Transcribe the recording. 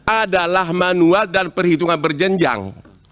adalah manual dan perhitungan berjenjang